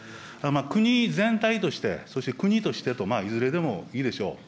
国全体として、そして、国としてと、まあいずれでもいいでしょう。